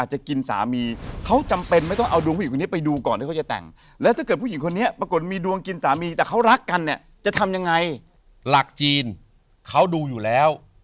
หลักจีนเขาดูอยู่แล้ว